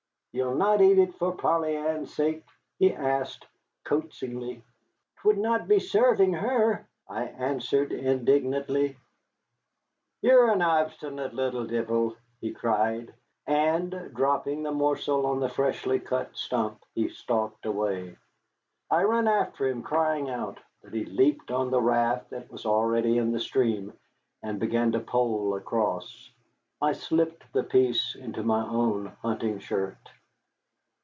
Ye'll not eat it for Polly Ann's sake?" he asked coaxingly. "'Twould not be serving her," I answered indignantly. "Ye're an obstinate little deevil!" he cried, and, dropping the morsel on the freshly cut stump, he stalked away. I ran after him, crying out, but he leaped on the raft that was already in the stream and began to pole across. I slipped the piece into my own hunting shirt.